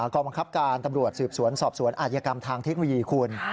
กองบังคับการตำรวจสืบสวนสอบสวนอาจยกรรมทางเทคโนโลยีคุณ